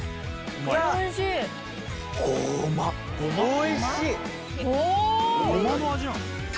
おいしい！